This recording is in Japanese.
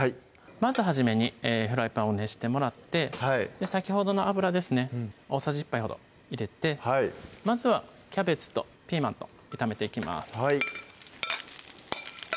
まず初めにフライパンを熱してもらって先ほどの油ですね大さじ１杯ほど入れてまずはキャベツとピーマンと炒めていきます